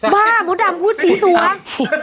บ้าหมูดำพูดสีสัว